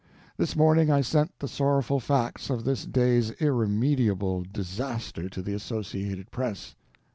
This morning I sent the sorrowful facts of this day's irremediable disaster to the Associated Press.